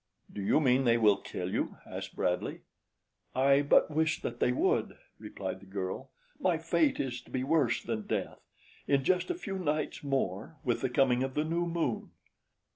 "Do you mean they will kill you?" asked Bradley. "I but wish that they would," replied the girl. "My fate is to be worse than death in just a few nights more, with the coming of the new moon."